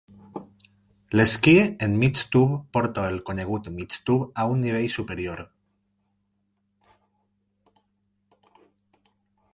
L'esquí en migtub porta el conegut migtub a un nivell superior.